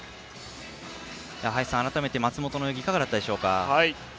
林さん、改めて松元の泳ぎいかがだったでしょうか。